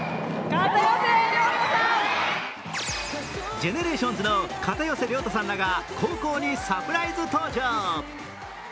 ＧＥＮＥＲＡＴＩＯＮＳの片寄涼太さんらが高校にサプライズ登場。